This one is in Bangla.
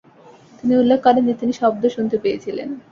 তিনি উল্লেখ করেন যে, তিনি শব্দ শুনতে পেয়েছিলেন।